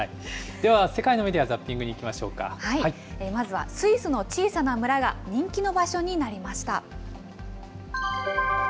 では世界のメディア・ザッピングまずはスイスの小さな村が、人気の場所になりました。